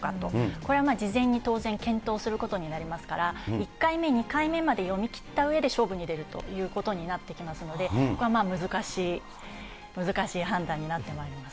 これは事前に当然、検討することになりますから、１回目、２回目まで読み切ったうえで、勝負に出るということになってきますので、難しい判断になってまいります。